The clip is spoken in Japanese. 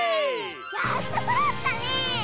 やっとそろったね！